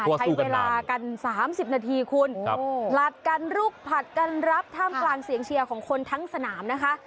ใช้เวลากัน๓๐นาทีคุณผลัดกันลุกผลัดกันรับท่ามกลางเสียงเชียร์ของคนทั้งสนามนะคะ